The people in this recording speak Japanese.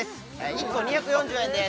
１個２４０円です